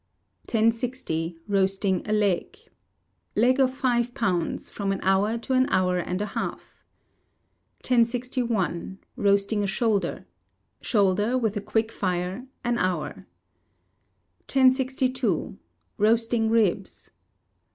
] 1060. Roasting a Leg. Leg of five pounds, from an hour to an hour and a half. 1061. Roasting a Shoulder. Shoulder, with a quick fire, an hour. 1062. Roasting Ribs.